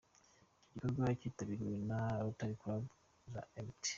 Icyo gikorwa cyitabiriwe na Rotary Club za Mt.